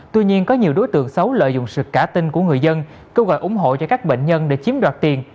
tuy nhiên có nhiều đối tượng xấu lợi dụng sự cả tin của người dân kêu gọi ủng hộ cho các bệnh nhân để chiếm đoạt tiền